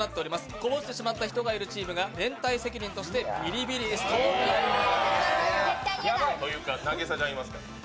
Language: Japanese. こぼしてしまった人がいるチームが連帯責任としてビリビリ椅子となります。